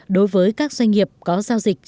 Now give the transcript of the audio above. đối với các doanh nghiệp có giao dịch